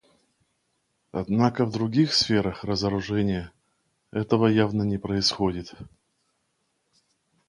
Однако в других сферах разоружения этого явно не происходит.